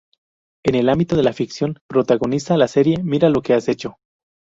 En el ámbito de la ficción, protagoniza la serie "Mira lo que has hecho".